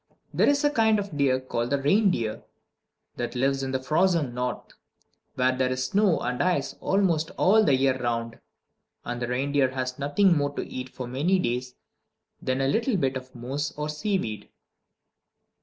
There is a kind of deer, called the reindeer, that lives in the frozen North, where there is snow and ice almost all the year round; and the reindeer has nothing more to eat for many days than a little bit of moss or seaweed.